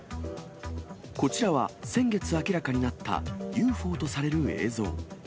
こちらは、先月明らかになった、ＵＦＯとされる映像。